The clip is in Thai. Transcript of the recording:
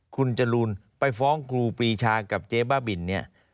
คุณจรูนไปฟ้องครูปรีชากับเจ๊บ้าบินเนี่ย